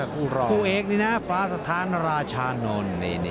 คู่เอกนี่นะฮะฟ้าสถานราชานนท์